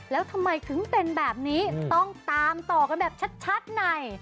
แล้วทำไมถึงเป็นแบบนี้ต้องตามต่อกันแบบชัดใน